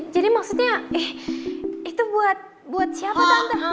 jadi maksudnya itu buat siapa